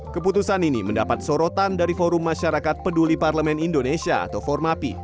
keputusan ini mendapat sorotan dari forum masyarakat peduli parlemen indonesia atau formapi